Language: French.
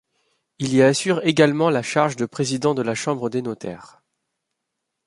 Il y assure également la charge de président de la chambre des notaires.